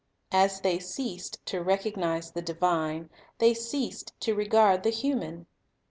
As they ceased to recognize the Divine, they ceased to regard the human.